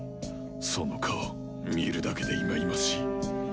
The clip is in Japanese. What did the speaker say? その顔見るだけでいまいましい。